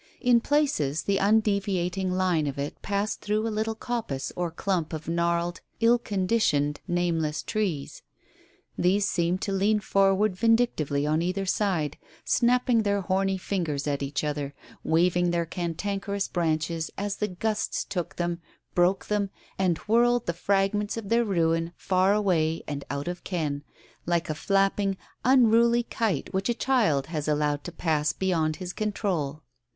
In places the undeviating line of it passed through a little coppice or clump of gnarled, ill conditioned, nameless trees. They seemed to lean forward vindictively on either side, snapping their horny fingers at each other, waving their cantankerous branches as the gusts took them, broke them, and whirled the fragments of their ruin far away and out of ken, like a flapping, unruly kite which a child has allowed to pass beyond his control.